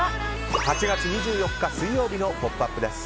８月２４日水曜日の「ポップＵＰ！」です。